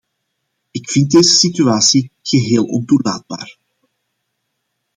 Ik vind deze situatie geheel ontoelaatbaar.